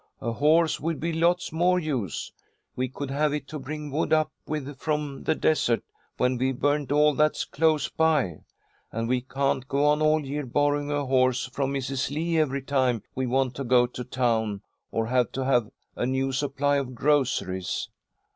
"A horse would be lots more use. We could have it to bring wood up with from the desert when we've burned all that's close by. And we can't go on all year borrowing a horse from Mrs. Lee every time we want to go to town, or have to have a new supply of groceries."